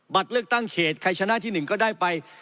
เลือกตั้งเขตใครชนะที่๑ก็ได้ไป